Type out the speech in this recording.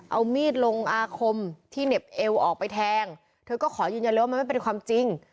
เอามีดลงอาคมที่เหน็บเอวออกไปแทงเธอก็ขอยืนยันเลยว่ามันไม่เป็นความจริง